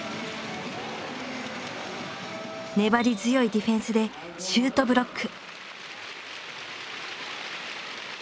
粘り強いディフェンスでシュートブロック。